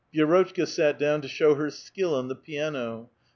Vi^rotchka sat down to show her skill on the piano.